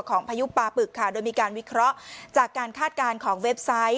พายุปลาปึกค่ะโดยมีการวิเคราะห์จากการคาดการณ์ของเว็บไซต์